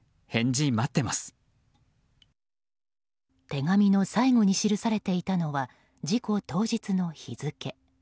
手紙の最後に記されていたのは事故当日の日付。